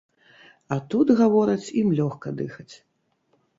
А тут, гавораць, ім лёгка дыхаць.